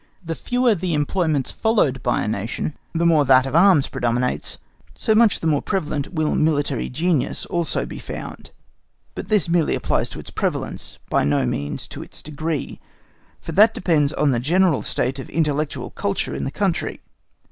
The fewer the employments followed by a Nation, the more that of arms predominates, so much the more prevalent will military genius also be found. But this merely applies to its prevalence, by no means to its degree, for that depends on the general state of intellectual culture in the country.